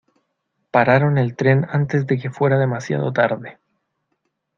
Pararon el tren antes de que fuera demasiado tarde.